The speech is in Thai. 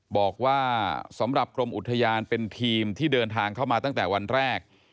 บอกว่าสำหรับกรมอุทยานเป็นทีมที่เดินทางเข้ามาตั้งแต่วันแรก